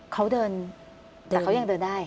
เขาเดินแต่เขายังเดินได้